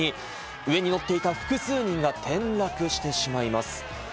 上に乗っていた複数人が転落してしまいます。